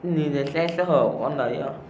nhìn thấy xe xe hở bọn con đấy ạ